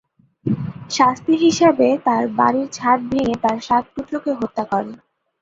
শাস্তি হিসাবে তার বাড়ির ছাদ ভেঙে তার সাত পুত্রকে হত্যা করে।